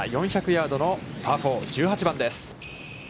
４００ヤードのパー４、１８番です。